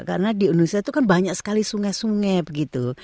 karena di indonesia itu kan banyak sekali sungai sungai begitu